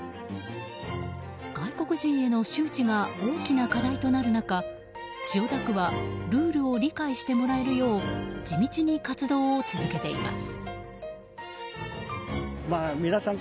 外国人への周知が大きな課題となる中千代田区はルールを理解してもらえるよう地道に活動を続けています。